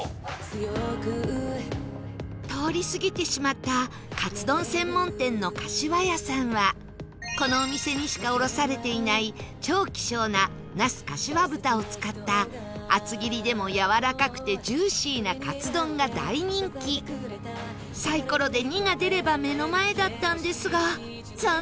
通り過ぎてしまったかつどん専門店の柏屋さんはこのお店にしか卸されていない超希少な那須かしわ豚を使った厚切りでもやわらかくてジューシーなかつ丼が大人気サイコロで「２」が出れば目の前だったんですが残念